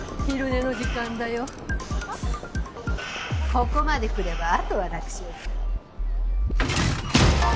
ここまで来ればあとは楽勝だ。